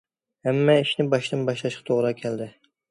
ھەممە ئىشنى باشتىن باشلاشقا توغرا كەلدى.